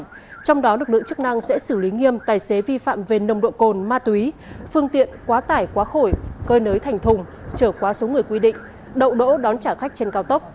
trong đó lực lượng chức năng sẽ xử lý nghiêm tài xế vi phạm về nồng độ cồn ma túy phương tiện quá tải quá khổ cơi nới thành thùng trở qua số người quy định đậu đỗ đón trả khách trên cao tốc